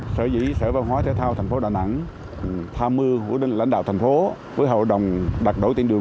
sở dĩ sở văn hóa thể thao tp đà nẵng tham mưu của lãnh đạo tp với hậu đồng đặt đổi tên đường